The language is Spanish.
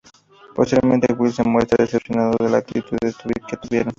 Posteriormente, Will se muestra decepcionado de la actitud que tuvieron.